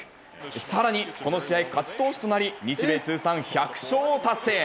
さらに、この試合、勝ち投手となり、日米通算１００勝を達成。